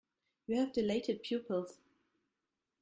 You have dilated pupils.